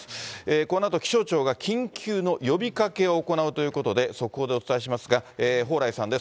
このあと気象庁が緊急の呼びかけを行うということで、速報でお伝えしますが、蓬莱さんです。